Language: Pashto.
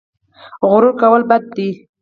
غرور کول بد دي